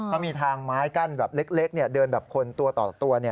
เขามีทางไม้กั้นแบบเล็กเดินแบบคนตัวต่อตัว